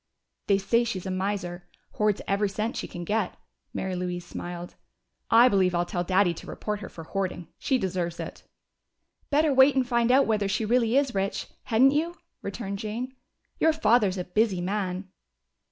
"They say she's a miser. Hoards every cent she can get." Mary Louise smiled. "I believe I'll tell Daddy to report her for hoarding. She deserves it!" "Better wait and find out whether she really is rich, hadn't you?" returned Jane. "Your father's a busy man."